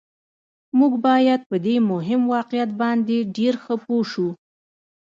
موږ باید په دې مهم واقعیت باندې ډېر ښه پوه شو